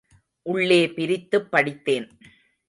உள்ளே பிரித்துப் படித்தேன்.